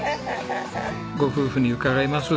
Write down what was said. ご夫婦に伺います。